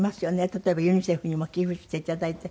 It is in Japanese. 例えばユニセフにも寄付して頂いて。